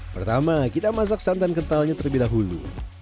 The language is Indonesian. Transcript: pertama kita masak santan kentalnya terlebih dahulu